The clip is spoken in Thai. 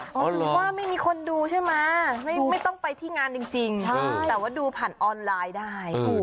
ว่าไม่มีคนดูใช่ไหมไม่ต้องไปที่งานจริงแต่ว่าดูผ่านออนไลน์ได้